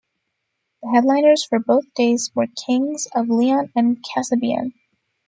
The headliners for both days were Kings of Leon and Kasabian.